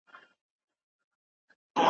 ما د ورزش کولو تمرين کړی دی.